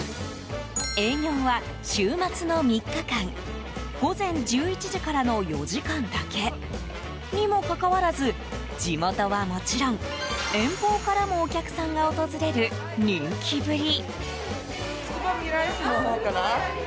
営業は、週末の３日間午前１１時からの４時間だけ。にもかかわらず地元はもちろん、遠方からもお客さんが訪れる人気ぶり。